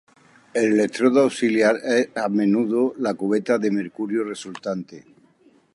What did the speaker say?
El electrodo auxiliar es a menudo la cubeta de mercurio resultante.